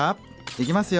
いきますよ。